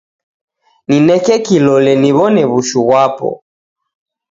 Nineke kilole niw'one w'ushu ghwapo.